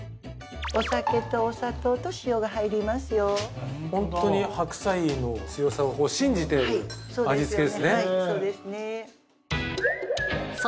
お酒とお砂糖と塩が入りますよ・ホントに白菜の強さを信じてる味付けですねはい